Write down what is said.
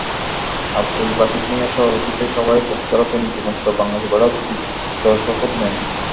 আবদুল বাসিত মিয়ার সভাপতিত্বে সভায় বক্তারা দুর্নীতিমুক্ত বাংলাদেশ গড়ার দৃপ্ত শপথ নেন।